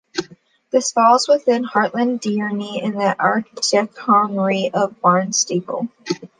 This falls within Hartland Deanery, in the Archdeaconry of Barnstaple.